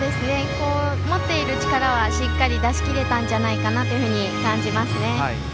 持っている力はしっかり出しきれたんじゃないかなというように感じますね。